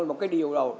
một cái điều rồi